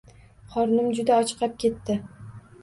Qornim juda ochqab ketdi.